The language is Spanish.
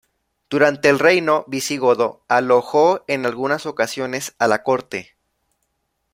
Durante el reino visigodo alojó en algunas ocasiones a la corte.